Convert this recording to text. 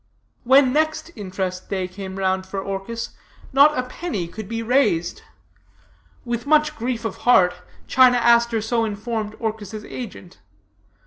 "When next interest day came round for Orchis, not a penny could be raised. With much grief of heart, China Aster so informed Orchis' agent.